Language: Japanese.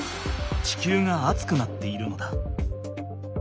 地球が暑くなっているのだ。